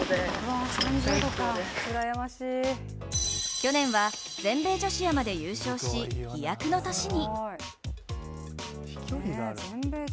去年は全米女子アマで優勝し飛躍の年に。